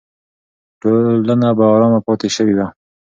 ټولنه به ارامه پاتې شوې وي.